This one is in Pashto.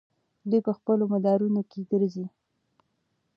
دوی په خپلو مدارونو کې ګرځي.